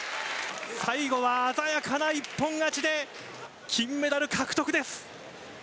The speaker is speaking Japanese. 最後は鮮やかな一本勝ちで金メダル獲得です。